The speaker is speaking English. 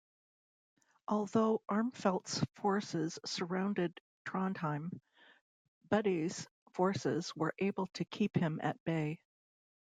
Although Armfeldt's forces surrounded Trondheim, Budde's forces were able to keep him at bay.